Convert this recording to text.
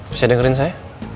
bisa dengerin saya